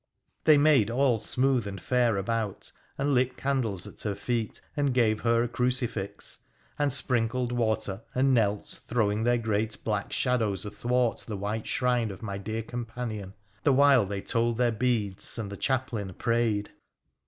They made all smooth and fair about, and lit candles at her feet and gave her a crucifix, and sprinkled water, and knelt, throwing their great black shadows athwart the white shrine of my dear companion, the while they told their beads and the chaplain prayed.